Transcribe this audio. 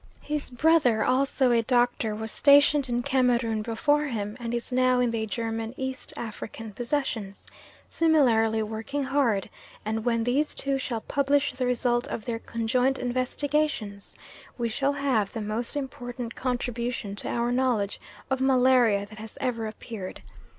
His brother, also a doctor, was stationed in Cameroon before him, and is now in the German East African possessions, similarly working hard, and when these two shall publish the result of their conjoint investigations, we shall have the most important contribution to our knowledge of malaria that has ever appeared.